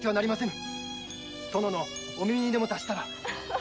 もし殿のお耳にでも達したら。